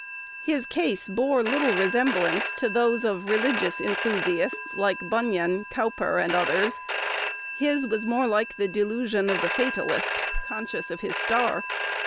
His case bore little resemblance to those of religious enthusiasts like Bunyan, Cowper, and others. His was more like the delusion of the fatalist, conscious of his star.